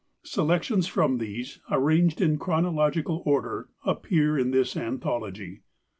Selections from these, arranged in chronological order, appear in this anthology.